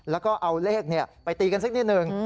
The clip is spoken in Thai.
แล้วก็เอาเลขไปตีกันสักนิดหนึ่ง